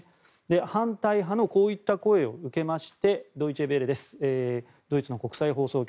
反対派のこういった声を受けましてドイツの国際放送局